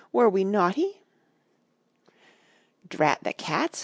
Were we naughty?' "'Drat the cats!'